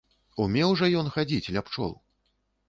Умеў жа ён хадзіць ля пчол!